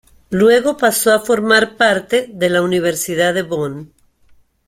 Luego pasó a formar parte de la Universidad de Bonn.